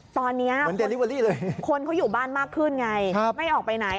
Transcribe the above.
ตอนนี้คนเขาอยู่บ้านมากขึ้นไงไม่ออกไปไหน